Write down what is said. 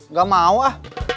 nggak mau ah